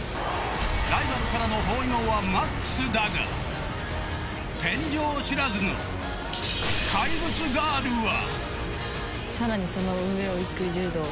ライバルからの包囲網はマックスだが天井知らずの怪物ガールは。